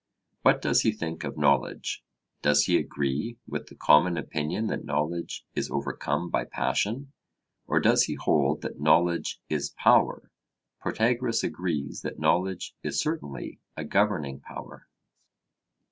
What does he think of knowledge? Does he agree with the common opinion that knowledge is overcome by passion? or does he hold that knowledge is power? Protagoras agrees that knowledge is certainly a governing power.